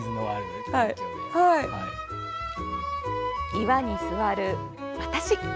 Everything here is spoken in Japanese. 岩に座る、私。